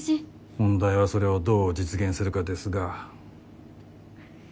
問題はそれをどう実現するかですが。